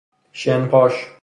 شن پاش